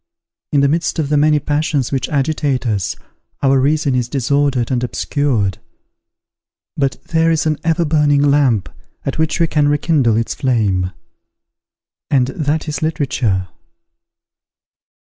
In the midst of the many passions which agitate us, our reason is disordered and obscured: but there is an everburning lamp, at which we can rekindle its flame; and that is, literature.